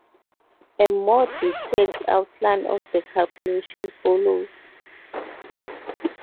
A more detailed outline of the calculation follows.